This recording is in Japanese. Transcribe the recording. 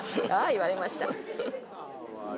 言われました。